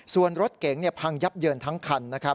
ส่วนรถเกงพังยับเยินทั้งคัน